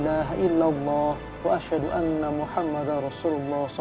jaringan teman teman saya yang menyankis r palace